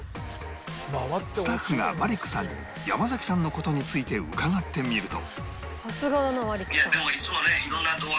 スタッフがマリックさんに山さんの事について伺ってみると